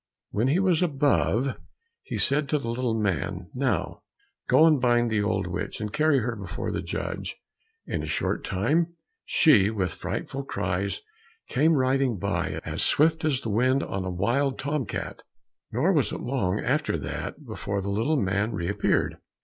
When he was above, he said to the little man, "Now go and bind the old witch, and carry her before the judge." In a short time she, with frightful cries, came riding by, as swift as the wind on a wild tom cat, nor was it long after that before the little man re appeared.